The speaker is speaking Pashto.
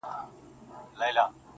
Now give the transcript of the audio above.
پرون مي ستا په ياد كي شپه رڼه كړه.